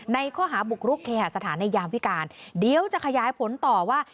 ในข้อหาบุกรุกเคหาสถานในยามพิการเดี๋ยวจะขยายผลต่อว่า